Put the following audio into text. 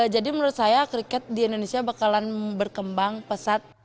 jadi menurut saya kriket di indonesia bakalan berkembang pesat